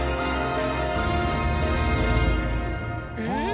えっ！？